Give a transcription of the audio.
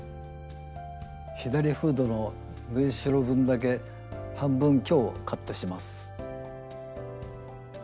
左フードの縫いしろ分だけ半分強カットします。